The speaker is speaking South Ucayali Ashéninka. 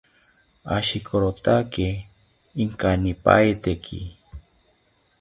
Ashikorotake inkanipaiteki